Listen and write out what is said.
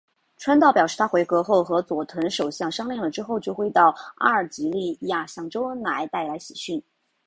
川岛表示他回国后和佐藤首相商量之后就会到阿尔及利亚向周恩来带来喜讯。